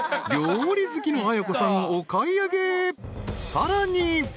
［さらに］